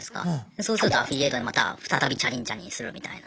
そうするとアフィリエイトでまた再びチャリンチャリンするみたいな。